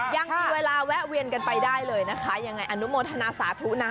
ยังมีเวลาแวะเวียนกันไปได้เลยนะคะยังไงอนุโมทนาสาธุนะ